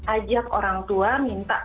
ajak orang tua minta